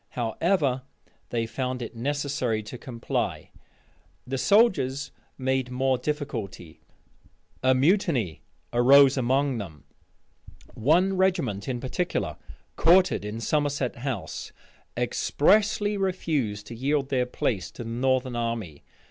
However, they found it necessary to comply. The soldiers made more difficulty. A mutiny arose among them. One regiment in particular, quartered in Somerset House, expressly refused to yield their place to the northern army.